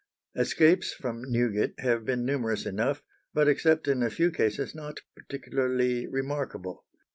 Escapes from Newgate have been numerous enough, but except in a few cases not particularly remarkable.